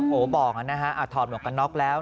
ลุงโอบอกอ่ะนะฮะอาทอบเหนียวกันน็อกแล้ว